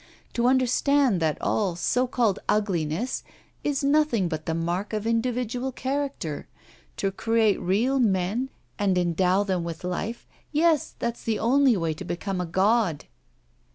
To understand that all so called ugliness is nothing but the mark of individual character, to create real men and endow them with life yes, that's the only way to become a god!